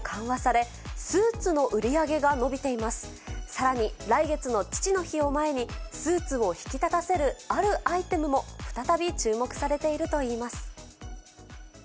さらに、来月の父の日を前に、スーツを引き立たせるあるアイテムも再び注目されているといいます。